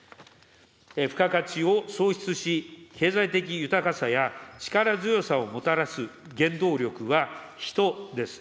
付加価値を創出し、経済的豊かさや力強さをもたらす原動力は、人です。